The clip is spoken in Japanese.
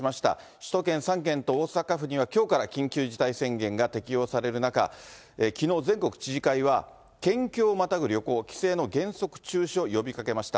首都圏３県と大阪府には、きょうから緊急事態宣言が適用される中、きのう、全国知事会は、県境をまたぐ旅行、帰省の原則中止を呼びかけました。